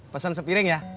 pesan sepiring ya